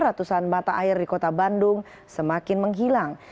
ratusan mata air di kota bandung semakin menghilang